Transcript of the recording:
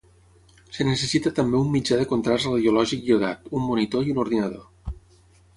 Es necessita també un mitjà de contrast radiològic iodat, un monitor i un ordinador.